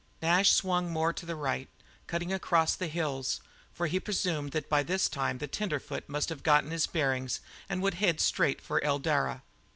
Nash now swung more to the right, cutting across the hills, for he presumed that by this time the tenderfoot must have gotten his bearings and would head straight for Eldara.